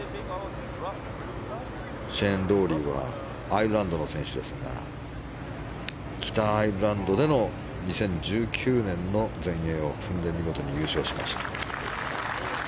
シェーン・ロウリーはアイルランドの選手ですが北アイルランドでの２０１９年の全英オープンで見事に優勝しました。